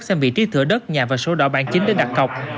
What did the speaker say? xem vị trí thửa đất nhà và số đỏ bản chính để đặt cọc